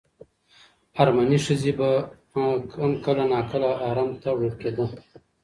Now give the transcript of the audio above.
ارمني ښځې به هم کله ناکله حرم ته وړل کېدې.